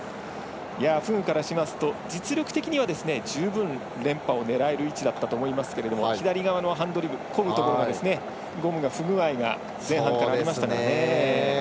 フグからしますと実力的には十分連覇を狙える位置だったと思いますが左側のハンドリムのこぐところのゴムが不具合が前半からありましたからね。